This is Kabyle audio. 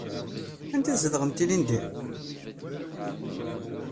Anda ay tzedɣemt ilindi?